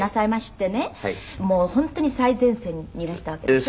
もう本当に最前線にいらしたわけでしょ？